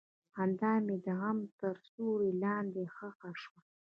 خندا مې د غم تر سیوري لاندې ښخ شوه.